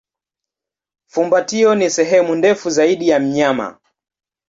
Fumbatio ni sehemu ndefu zaidi ya mnyama.